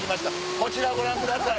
こちらご覧ください。